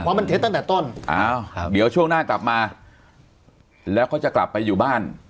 เพราะมันเท็จตั้งแต่ต้นอ้าวเดี๋ยวช่วงหน้ากลับมาแล้วเขาจะกลับไปอยู่บ้าน